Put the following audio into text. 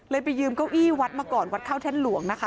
ไปยืมเก้าอี้วัดมาก่อนวัดเข้าแท่นหลวงนะคะ